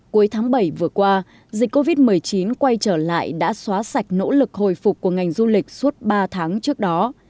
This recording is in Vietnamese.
cuối tháng bảy vừa qua dịch covid một mươi chín quay trở lại đã xóa sạch nỗ lực hồi phục của ngành du lịch suốt ba tháng trước đó